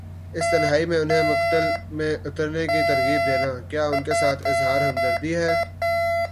اس تنہائی میں انہیں مقتل میں اترنے کی ترغیب دینا، کیا ان کے ساتھ اظہار ہمدردی ہے؟